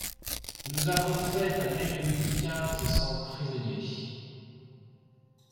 Nous avons fait à l'ennemi quinze cents prisonniers.